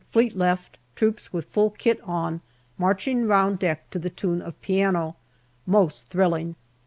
Fleet left. Troops, with full kit on, marching round deck to the tune of piano. Most thrilling.